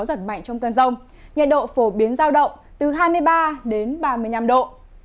giật mạnh trong cơn rông nhiệt độ phổ biến giao động từ hai mươi ba đến ba mươi năm độ